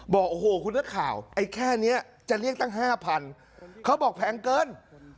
บอกโอ้โหคุณนักข่าวไอ้แค่นี้จะเรียกตั้ง๕๐๐เขาบอกแพงเกิน